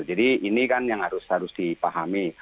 jadi ini kan yang harus dipahami